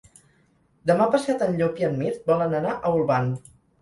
Demà passat en Llop i en Mirt volen anar a Olvan.